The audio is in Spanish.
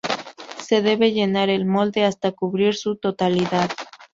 Se debe llenar el molde hasta cubrir su totalidad.